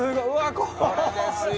これですよ！